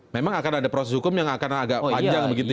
memang akan ada proses hukum yang akan agak panjang begitu ya